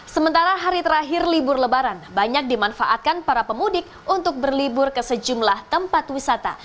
sementara hari terakhir libur lebaran banyak dimanfaatkan para pemudik untuk berlibur ke sejumlah tempat wisata